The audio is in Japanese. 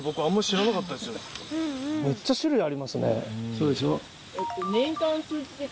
そうでしょ？